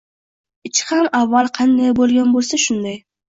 Ichi ham avval qanday boʻlgan boʻlsa, shunday.